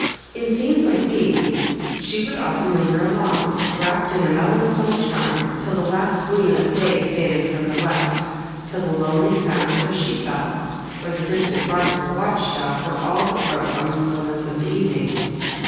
In scenes like these she would often linger along, wrapt in a melancholy charm, till the last gleam of day faded from the west; till the lonely sound of a sheep bell, or the distant bark of a watch dog, were all that broke on the stillness of the evening.